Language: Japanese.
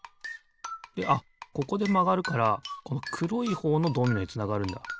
であっここでまがるからこのくろいほうのドミノへつながるんだ。